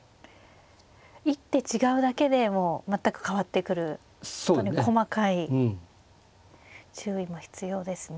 一手違うだけでも全く変わってくる細かい注意も必要ですね。